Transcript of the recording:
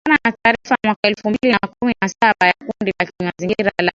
kulingana na taarifa ya mwaka elfu mbili na kumi na saba ya kundi la kimazingira la